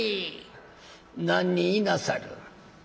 「何人いなさる？」。